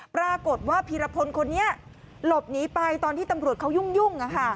ปรากฏว่าพีรพลคนนี้หลบหนีไปตอนที่ตำรวจเขายุ่ง